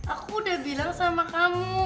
aku udah bilang sama kamu